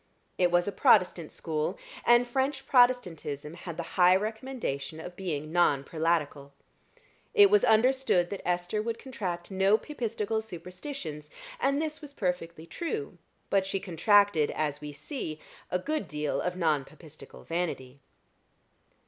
It was a Protestant school, and French Protestantism had the high recommendation of being non Prelatical. It was understood that Esther would contract no Papistical superstitions; and this was perfectly true; but she contracted, as we see, a good deal of non Papistical vanity.